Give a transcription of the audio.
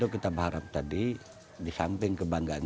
kita berharap tadi di samping kebanggaan